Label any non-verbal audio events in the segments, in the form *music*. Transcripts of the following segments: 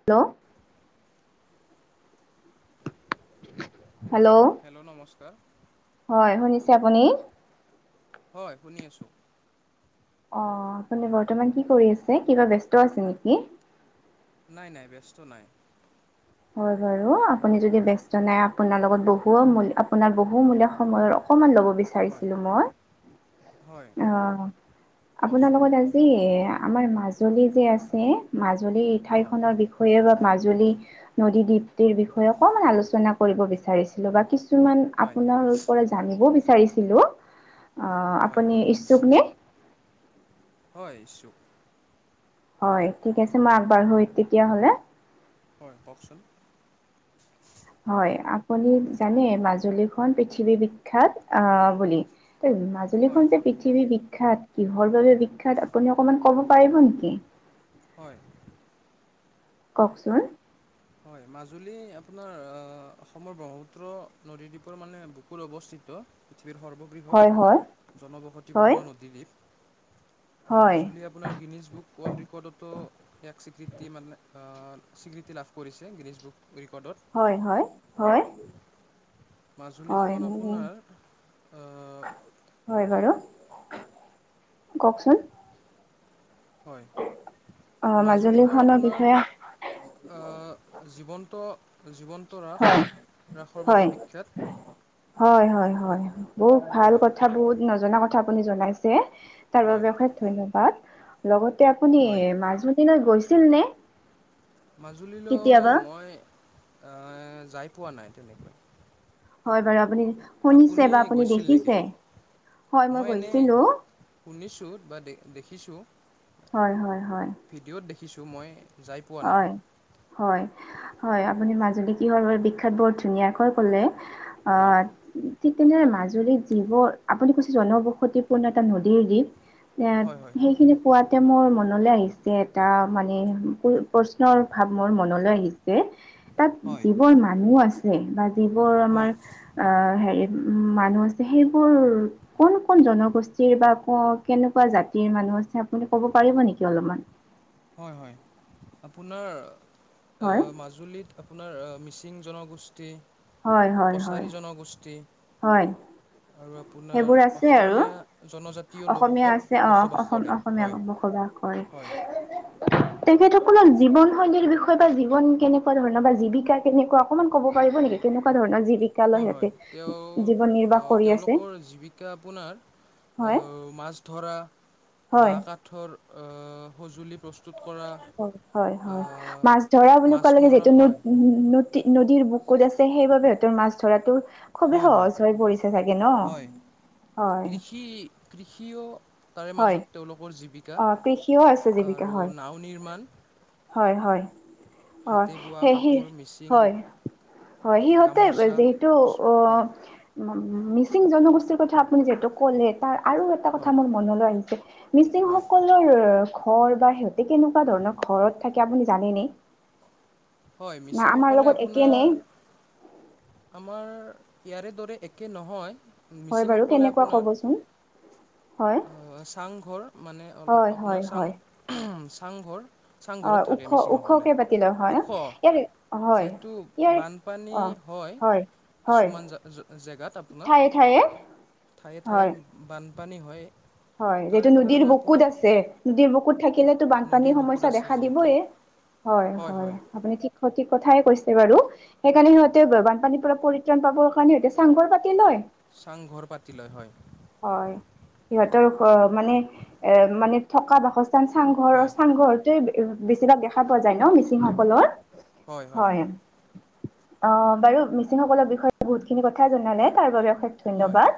ন hello hello নমস্কাৰ। হয়, শুনিছে আপুনি? হয়, শুনি আছোঁ। অ আপুনি বৰ্তমান কি কৰি আছে? কিবা ব্যস্ত আছে নিকি? নাই নাই ব্যস্ত নাই। হয় বাৰু আপুনি যদি ব্যস্ত নাই আপোনাৰ লগত বহু মূল আপোনাৰ বহুমূলীয়া সময়ৰ অকমান ল'ব বিচ হয় চাৰিছিলো মই হয় অ' আপোনাৰ কওকচোন লগত আজ জি আমাৰ মাজুলী যে আছে, মাজুলীৰ ঠাই অঁ খনৰ বিষ ষয়ে ৱা মাজুলী নদী-দ্বীপটিৰ বিষয়ে অকমান আলোচনা কৰিব বিচাৰিছিলো বা কিছ ছুমান হয় আপোনাৰ পৰা জানিব বিচাৰিছিলো। হয় অ'আপুনি ইচ্ছুক নে? হয় ইচ্ছুক। হয়, ঠিক আছে মই আগবাঢ়ো তেতিয়াহ'লে? হয়, কওকচোন। হয়, আপুনি জানে মাজুলীখন পৃথিৱী বিখ্যাত, বুলি? এই মাজ হয় মাজুলীখন যে পৃথীৱি বিখ্যাত, কিহৰ বাবে বিখ্যাত আপুনি অকমান ক'ব পাৰিব নিকি? হয়। কওকচোন। হয়, মাজুলী আপোনাৰ অ' অসমৰ ব্ৰহ্মপুত্ৰ নদীদ্বীপৰ মানে বুকুৰ অৱস্থিত। পৃথিৱীৰ সৰ্ববৃহৎ, হয় হয়। জনবসতিপূৰ্ণ হয় নদীদ্বীপ, হয় মাজুলী আপ পোনাৰ গিনিজ বুক ৱৰ্ল্ড ৰিকৰ্ডতো ইয়াক স্বীকৃতি মানে অ', স্বীকৃতি লাভ কৰিছে, গিনিজ বুক ৰিকৰ্ডত। হয়, হয়, হয়। হয় মাজুলীখন মানে আপোনাৰ অ' হয় বাৰু, কওকচোন? হয়, অ মাজুলীখন মাজুলীখনৰ আপোনাৰ বিষয়ে অ', জীৱন্ত, জীৱন হয়, হয়, হয়, হয়, হয়, হয়, বহুত ভাল হয় কথ থা বহুত নজনা কথা আপুনি জনাইছে, তাৰ হয় বাবে অশেষ ধন্যবাদ। লগতে আপুনি হয়। মাজুলীলে গৈছিল নে? মাজুলীলৈ কেতিয়াবা? মই আ যাই পোৱা নাই তেনেকৈ। হয় বাৰু আপুনি শুনিছে বা আপুনি গৈছিল নেকি দেখিছে? হয় মই গৈছিলো। শুনিছোঁ বা দে দেখিছোঁ। হয়-হয়-হয়। ভিডিঅ'ত দেখিছোঁ মই। যাই পোৱা নাই হয়। হয়, হয় আপুনি মাজুলী কিহৰ বাবে বিখ্যাত বৰ ধুনিয়াকৈ ক'লে। অ হয় ঠিক তেনেদৰে মাজুলীত যিবোৰ, আপুনি কৈছে জনবসতিপূৰ্ণ এটা নদীৰ দ্বীপ। এ, হয় হয় সেইখিনি কোৱাতে মোৰ মনলে আহিছে এটা মানে *unintelligible* প্ৰশ্নৰ ভাৱ মোৰ মনলৈ আহিছে। তাত হয় যিবোৰ মানুহ আছে বা যিবোৰ আমাৰ হয় আহ হেৰি উম মানুহ আছে সেইবোৰ কোন-কোন জনগোষ্ঠীৰ বা ক কেনেকুৱা জাতিৰ মানুহ আছে আপুনি ক'ব পাৰিব নেকি অলপমান? হয়-হয়, আপোনাৰ এ, হয় মাজু জুলিত আপোনাৰ আ মিচিং জনগোষ্ঠী হয়-হয়-হয়। নগোষ্ঠী। হয়। আৰু আপোনাৰ সেইবোৰ আছে আৰু অসমীয়া জনজা অসমীয়া আছে অ, অস অসম অসমীয়া মানু্হ বসবাস কৰে। হয় তেখেতসকলৰ জীৱন শৈলীৰ বিষয়ে বা জীৱন কেনেকুৱা ধৰণৰ বা জীৱিকা কেনেকুৱা অকনমান কব পাৰিব নেকি? কেনেকুৱা ধৰনৰ জীৱিক হয়-হয়, তেওঁ আ কৰি আছে তেওঁলোকৰ জীৱি কা আপোনাৰ হয় অ মাছ ধৰা বা হয়। কা ঠৰ অ সঁজুলি প্ৰস্তুত কৰা হয়-হয়-হয়, আহ, মাছ ধৰা বুলি মাছ কোৱালেকে যি মৰা তুমি হয় মোৰ তি নদীৰ বুকুত আছে সেইবাবে সিহতৰ মাছ ধৰাতো খুবেই হয় হয় সহজ হৈ পৰিছে চাগে ন'? হয়। কি কৃষিও তাৰে হয়। মাজত তেওঁলোকৰ জীৱিকা। অ, কৃষিও আছে আৰু জীৱিকা হয়। নাও নিৰ্মাণ। হয়-হয়, হয়, হাতে বোৱা হেহিৰ কাপোৰ মিচিং হয়। হয়। সিহঁতে গামোচা যিহেতু অ হয় মিচিং জনগোষ্ঠীৰ কথা আপুনি যিহেতু ক'লে তাৰ আৰু এটা কথা হয় মোৰ মনলৈ আহিছে, মিচিং হয় সকলৰ ঘৰ বা সিহতে কেনেকুৱা ধৰণৰ ঘৰত থাকে আপুনি জানেনে? হয়, না মিচিং আমাৰ সকলে লগত একে নে আপোনাৰ আমাৰ ইয়াৰে দৰে একে নহয়, হয় বাৰু মিচিংসকলে কেনেকুৱা আপোনাৰ অ ক'বচোন? হয় চাংঘৰ মানে হয় অলপ হয় আপোনাৰ চাং হয় অহ চাংঘৰ অ চাং-ঘৰত ওখ থাকে মিচিং ওখকে সকলে। পাতি লয় হয় ওখ, ইয়াৰ হয় যিহেতু ইয়াৰ বানপানী অ হয়। কিছুমান জা, জা, জেগাত আপোনাৰ ঠায়ে ঠায়ে ঠায়ে-ঠায়ে হয় বানপানী হয়। হয়, তাৰে যিহেতু নদীৰ কাৰণে বুকুত আপোনাৰ আছে, নদীৰ বুকুত থাকিলেতো বানপানী নদীৰ বুকুত সমস্যা আছে দেখা যিহেতু দিবয়ে। হয়, হয় আপুনি ঠিক সঠিক কথাই কৈছে বাৰু। সেইকাৰনে সিহঁতে বে বানপানীৰ পৰা পৰিত্ৰাণ পাবৰ কাৰণে সিহঁতে চাং-ঘৰ পাতি লয়। চাং-ঘৰ পাতি লয়, হয়। হয়। সিহঁতৰ ঘ মানে এ মানে থকা বাসস্থান চাংঘৰ, হয় চাংঘৰ তুমি বে বেছিভাগ দেখা পোৱা যায় ন মিচিংসকলৰ? হয় হয় অ বাৰু মিচিংসকলৰ বিষয়ে বহুতখিনি কথাই জনালে, তাৰ বাবে অশেষ হয় ধন্যবাদ।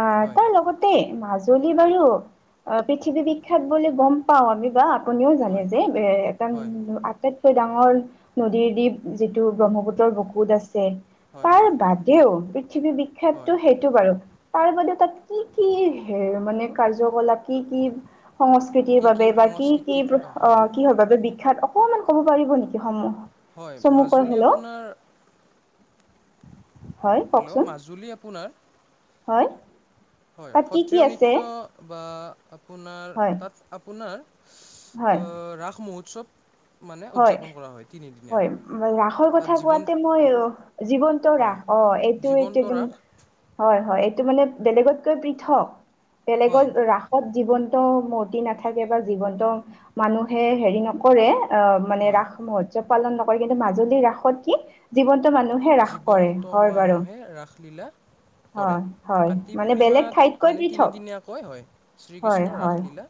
আ, হয় তাৰ লগতে মাজ মাজুলি বাৰু অ পৃথিৱী বিখ্যাত বুলি গম পাওঁ আমি বা আপুনিও জানে হয় যে এ এটা হয় আটাইতকৈ ডাঙৰ নদীৰ দ্বীপ যিটো ব্ৰহ্মপুত্ৰৰ বকুত আছে, হয় তাৰ হয় বাদেও পৃথিৱী হয় বিখ্যাতটো সেই বাৰু, তাৰ বাদে তাত কি কি হেৰ মানে কাৰ্যকলাপ কি কি সংস্কৃত সংস্কৃতিৰ কি কি বাবে, বাকি কি সংস্কৃতিক অ হয় কিহৰ বাবে বিখ্যাত অকমান ক'ব পাৰিব নেকি? সমূহ হয় চমুকৈ মাজুলী হলেও। আপোনাৰ হয় হেল্ল' ককচোন মাজুলী আপোনাৰ হয়। হয় তাত কি কি সত্ৰীয় আছে নৃত্য বা আপোনাৰ হয় তাত আপোনাৰ হয় অ ৰাস মহোৎসৱ। মানে হয়, উদযাপন কৰা হয় তিনিদিনীয়া হয় ৰাসৰ তাত কথা জীৱন কোৱাতে মইয়ো জীৱন্ত হয় ৰাস অ এইটো, এইটো জীৱন্ত একদম ৰাস হয়, হয় এইটো মানে বেলেগতকৈ পৃথক। হয় বেলেগত ৰাস ত জীৱন্ত মূৰ্তি নাথাকে বা জীৱন্ত মানুহে হেৰি নকৰে অ মানে হয় ৰাস মহোৎসৱ পালন নকৰে কিন্তু মাজুলীৰ ৰাসত কি জীৱন্ত মানুহ এ ৰাস কৰে। জীৱন্ত হয় বাৰু। মানুহে ৰাসলীলা কৰে হয়, হয় কাতি মানে বেলেগ পূৰ্ণিমাত ঠাইতকৈ মানে পৃথক। তিনিদিনীয়াকৈ হয় হয়, শ্ৰীকৃষ্ণৰ হয়। ৰাসলীলা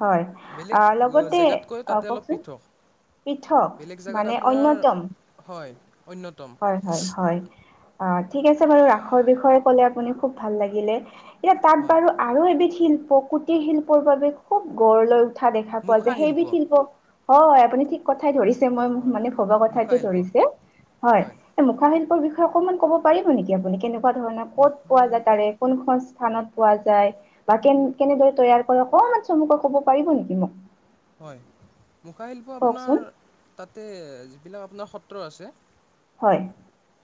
হয়, বেলেগ আ আহ, লগতে, জেগাতকৈ অ তাতে অলপ কওকচোন। পৃথক পৃথক বেলেগ জেগাত মানে আপোনাৰ অন্যতম। হয় অন্যতম হয়। হয়, হয় অ ঠিক আছে বাৰু ৰাসৰ বিষয়ে কলে আপুনি খুব ভাল লাগিলে *unintelligible* তাত হয় বাৰু আৰু এবিধ শিল্প কুটিৰ শিল্পৰ বাবে খুব গঢ় লৈ উঠা দেখা পোৱা মুখা যায়, শিল্প সেইবিধ শিপ্ল হয় আপুনি ঠিক কথাই ধৰিছে মই হয় মানে ভবা মুখা কথাইটো শিল্প ধৰিছে, হয়। মুখাশিল্পৰ বিষয়ে অকমান ক'ব পাৰিব নেকি আপুনি? কেনেকুৱা ধৰণৰ ক'ত মুখা পোৱা যায় শিল্প তাৰে? কোনখন স্থানত পোৱা যায় বা কেন কেনেদৰে তৈয়াৰ কৰে অকমান চমুকৈ ক'ব পাৰিব নেকি মোক? হয়। মুখাশিল্প কওকচোন আপোনাৰ তাতে যিবিলাক আপোনাৰ সত্ৰ আছে, হয়।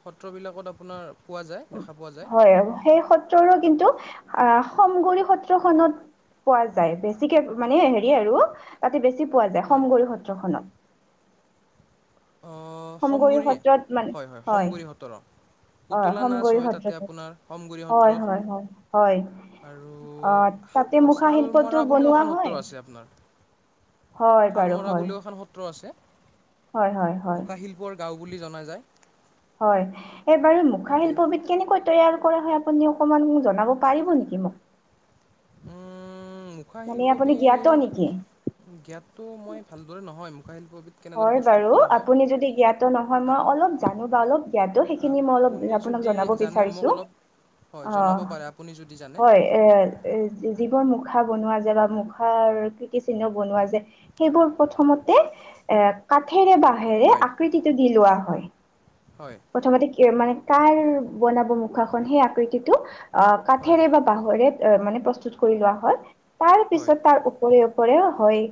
সত্ৰবিলাকত আপোনাৰ পোৱা যায়, দেখা পোৱা যায়। *unintelligible* সেই সত্ৰ সত্ৰৰো কিন্তু, আহ সমগৰি সত্ৰখনত, পোৱা যায়। বেছিকে মানে হেৰি আৰু, তাতে বেছি পোৱা যায় হয় সমগৰি সত্ৰখনত। অহ সমগুৰি, হয় হয় সমগুৰি সত্ৰৰ অ। হয় পুতলা নাচ সমগুৰি হয় তাতে সত্ৰতে আপোনাৰ সমগুৰি হয় হয় হয় হয় সত্ৰত। আহ তাতে আৰু মুখা ছাল শিল্পটো মৰা বুলিও বনোৱা এখন হয় সত্ৰ আছে আপোনাৰ। হয় বাৰু শালমৰা হয়। বুলিও সত্ৰ আছে। হয় হয়। মুখা শিল্পৰ গাঁও বুলি জনা যায়। হয় এইবাৰু তাতে মুখাশিল্পবিত, কেনেকৈ তৈয়াৰ কৰা হয় আপুনি অকণমান জনাব পাৰিব নেকি মোক? উম মুখা মানে আপুনি জ্ঞাত শিল্পবিধ, নেকি? জ্ঞাতটো মই ভালদৰে নহয়, মূখাশিল্পবিত হয় বাৰু আপুনি যদি জ্ঞাতো নহয় মই আপ- অলপ হয় জানো বা অলপ জ্ঞাত সেইখিনি মই অলপ আপুনি আপোনাক যদি জনাব জানে মোক বিচাৰিছোঁ অলপ, হয় জনাব আহ পাৰে আপুনি যদি জানে? হয় এ যিবোৰ মুখা বনোৱা যায় বা মুখাৰ কীৰ্তিচিহ্ন বনোৱা যায়। সেইবোৰ প্ৰথমতে এ কাঠেৰে বাঁহেৰে হয় আকৃতিটো দি লোৱা হয়। হয়। প্ৰথমতে মানে কাৰ বনাব মুখাখন সেই আকৃতিটো অ হয় কাঠেৰে বা বাঁহৰে মানে প্ৰস্তুত কৰি লোৱা হয়্ তাৰ হয় পিছত তাৰ ওপ ওপৰে ওপৰেও হয়,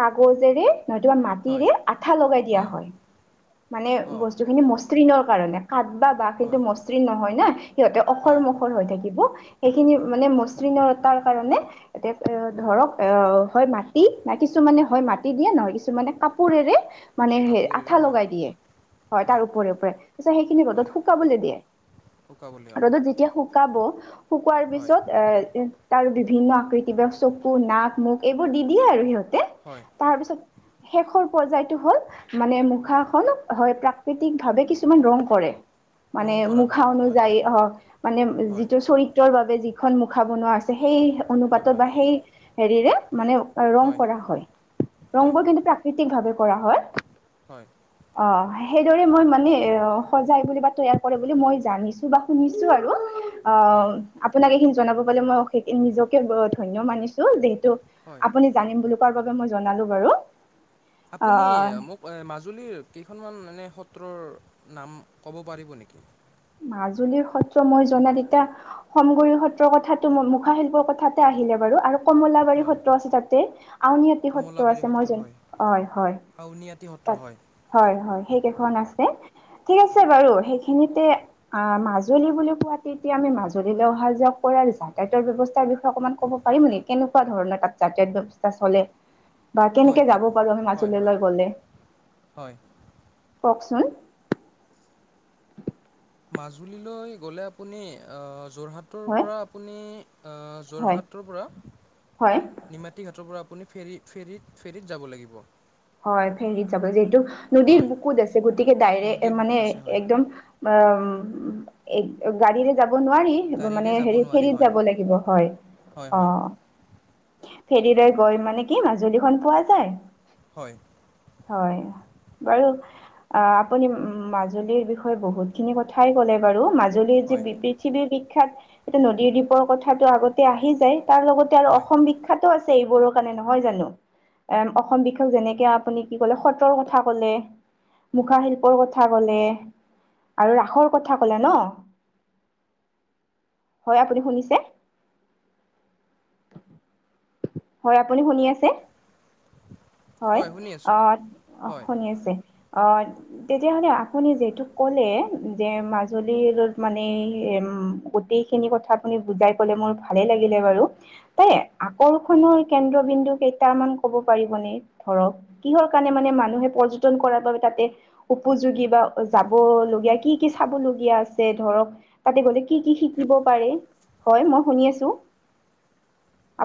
কাগজেৰে নতুবা মা হয় টিৰে আঠা লগাই দিয়া হয়। মানে অঁ বস্তু খিনি মসৃণৰ কাৰণে কাঠ বা বাঁহ কিন্তু হয় মসৃণ নহয় না, সিহঁতে অখৰ হয় মখৰ হৈ থাকিব। সেইখিনি মানে মসৃণতাৰ কাৰণে, এ ধৰক আহ হয় মাটি অঁ কিছুমানে হয় মাটি দিয়ে, নহয় কিছুমানে কাপোৰেৰে মানে সে কাপোৰেৰে আঠা হয় লগাই দিয়ে। হয় তাৰ ওপৰে ওপৰে। তাৰপিছত সেইখিনি ৰদত হয় শুকাবলৈ দিয়ে। শুকাবলৈ অঁ ৰ'দত যেতিয়া শুকাব, শুকোৱাৰ হয় পিছত এ তাৰ বিভিন্ন আকৃতিবিলাক চকু, নাক, মুখ, এইবোৰ দি দিয়ে আৰু সিহঁতে। হয় তাৰপিছত শেষৰ পৰ্য্যায়টো হ'ল, মানে মুখাখন হয় প্ৰাকৃতিক ভাৱে কিছুমান ৰং কৰে। মানে ৰং কৰা মুখা হয় হয় অনুযায়ী হ‌ওক, মানে হয় যিটো চৰিত তৰ বাবে যিখন মুখা বনোৱা আছে সেই হয় অনুপাতত হয় বা সেই হেৰিৰে মানে, ৰং কৰা হয়। ৰংবোৰ কিন্তু প্ৰাকৃতিক ভাৱে কৰা হয়। হয়। অ সেইদৰে মই মানে সজাই বুলি বা তৈয়াৰ কৰে বুলি মই জানিছোঁ। বা শুনিছোঁ আৰু। অ হয় আপোনাক এইখিনি জনাব পালে মই অষে নিজকে বৰ ধন্য মানিছো। যিহেতু হয় আপুনি জানিম বুলি কোৱাৰ বাবে মই জনালো বাৰু। আপুনি আহ মোক মাজুলীৰ কেইখনমান এনে সত্ৰৰ নাম ক'ব পাৰিব নেকি? মাজুলীৰ সত্ৰ মই জনাত এতিয়া, সমগুৰি সত্ৰৰ কথাটো, মুখা শিল্পৰ কথাতে আহিলে বাৰু। আৰু কমলাবাৰী হয় সত্ৰ আছে তাতে আউনআতি সত্ৰ কমলাবাৰী আছে মই জ হয় হয়। নিআটি সত্ৰ তাত হয়। হয় হয় সেইকেইখন আছে, ঠিক আছে বাৰু সেইখিনিতে আ মাজুলী বুলি কোৱাত তেতিয়া আমি মাজুলীলৈ অহা যোৱা কৰাৰ যাতায়তৰ ব্যৱস্থাৰ বিষয়ে অকণমান ক'ব পাৰিম নেকি কেনেকুৱা ধৰণৰ তাত যাতায়ত ব্যৱস্থা চলে? বা হয় কেনেকে তাত যাব পাৰো আমি হয় হয় মাজুলীলৈ গলে হয় কওকচোন? মাজুলীলৈ গ'লে আপুনি অ যোৰহাটৰ হয় পৰা আপুনি অ হয় যোৰহাটৰ পৰা হয় নিমাতীঘাটৰ পৰা আপুনি ফেৰী ফেৰীত ফেৰীত যাব লাগিব। হয় ফেৰীত যাব যিহেতু নদীৰ হয় বুকুত আছে গতিকে ডাইৰেক নদীৰ মানে বুকুত আছে হয় একদম বম এক গাড়ীৰে যাব নোৱাৰি মা গাড়ীৰে মানে যাব হেৰি নোৱাৰি ফেৰীত হয় যাব লাগিব হয় হয় অ। হয় ফেৰীৰে গৈ মানে কি মাজুলীখন পোৱা যায়। হয়। হয় বাৰু আ আপুনি মাজুলীৰ বিষয়ে বহুতখিনি কথাই ক'লে বাৰু মাজ জুলীৰ যি হয় পৃ পৃথিৱীৰ বিখ্যাত এইটো নদী দ্বীপৰ কথাটো আগতে আহি যায়। তাৰ লগতে আৰু হয় অসম বিখ্যাতো আছে এইবোৰৰ কাৰণে নহয় জানো, এ অসম বিখ্যাত যেনে কে আপুনি কি কলে সত্ৰৰ কথা কলে, মুখা শিল্পৰ কথা কলে। আৰু ৰাসৰ কথা কলে ন, হয় আপুনি শুনিছে? *inaudible* হয় আপুনি শুনি আছে? *inaudible* হয় শুনি আছোঁ আহ হয় শুনি আছে, অ তেতিয়াহলে আপুনি যিহেতু ক'লে যে মাজুলীৰত মানে এম গোটেইখিনি কথা আপুনি বুজাই কলে মোৰ ভালে লাগিলে বাৰু। তাই আকৰ্ষণৰ কেন্দ্ৰবিন্দু কেইটামান কব পাৰিব নে? ধৰক কিহৰ কাৰণে মানে মানুহে পৰ্যটন কৰাৰ বাবে তাতে উপযোগী বা যাবলগীয়া কি কি চাবলগীয়া আছে ধৰক তাতে গলে কি কি শিকিব পাৰে, হয় মই শুনি আছো।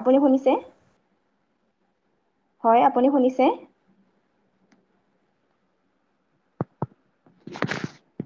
আপুনি শুনিছে? হয় আপুনি শুনিছে? *inaudible*